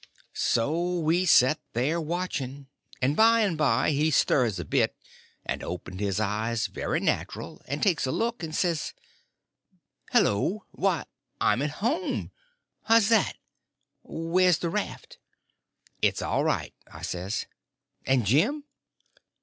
So we set there watching, and by and by he stirs a bit, and opened his eyes very natural, and takes a look, and says: "Hello!—why, I'm at home! How's that? Where's the raft?" "It's all right," I says. "And _Jim?